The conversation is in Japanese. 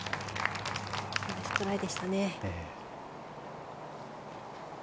ナイストライでしたね。